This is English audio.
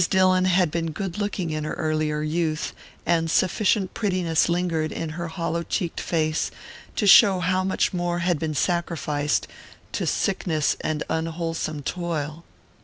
Dillon had been good looking in her earlier youth, and sufficient prettiness lingered in her hollow cheeked face to show how much more had been sacrificed to sickness and unwholesome toil.